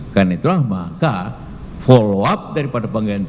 karena itulah maka follow up daripada pengganti